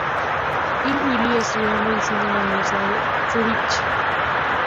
H. Willi estudió medicina en la Universidad de Zurich.